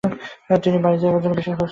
তিনি বাড়ী যাইবার জন্য বিশেষ ব্যস্ত।